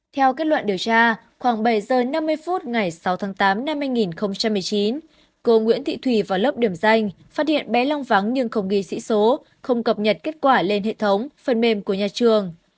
theo kết luận điều tra khoảng bảy h năm mươi phút ngày sáu tháng tám năm hai nghìn một mươi chín cô nguyễn thị thùy vào lớp điểm danh phát hiện bé long vắng nhưng không ghi sĩ số không cập nhật kết quả lên hệ thống phần mềm của nhà trường